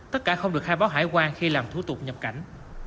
tất cả không được khai báo hải quan khi làm thủ tục nhập cảnh